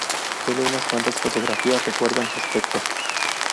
Sólo unas cuantas fotografías recuerdan su aspecto.